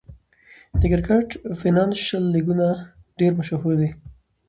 د کرکټ فینانشل لیګونه ډېر مشهور دي.